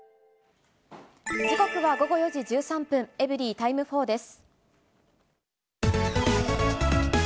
時刻は午後４時１３分、エブリィタイム４です。